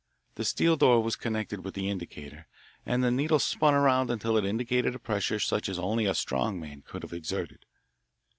The steel door was connected with the indicator, and the needle spun around until it indicated a pressure such as only a strong man could have exerted.